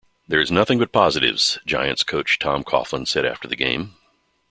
"There is nothing but positives", Giants coach Tom Coughlin said after the game.